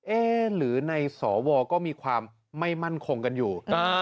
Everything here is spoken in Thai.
หรือในสวก็มีความไม่มั่นคงกันอยู่